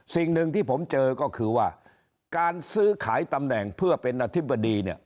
สิ่งหนึ่งที่ผมเจอก็คือว่าการซื้อขายตำแหน่งเพื่อเป็นอธิบดีเนี่ย